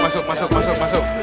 masuk masuk masuk